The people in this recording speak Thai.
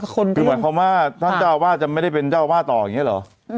คือหมายความว่าท่านเจ้าวาดจะไม่ได้เป็นเจ้าวาดต่ออย่างนี้เหรอ